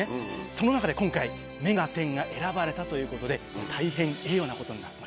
その中で今回『目がテン！』が選ばれたということで大変栄誉なことになりました。